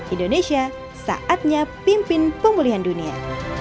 indonesia saatnya pimpin pemulihan dunia